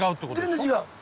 全然違う。